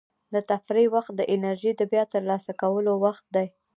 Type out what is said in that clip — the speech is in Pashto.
د تفریح وخت د انرژۍ د بیا ترلاسه کولو وخت دی.